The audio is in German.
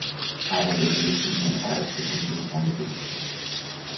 Aber wir helfen Ihnen auch durch unsere Sonderberichte.